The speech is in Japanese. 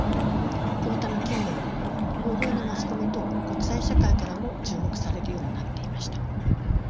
このため近年は欧米のマスコミ等国際社会からも注目されるようになっていました。